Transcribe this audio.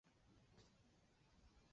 团体项目将采用淘汰赛制。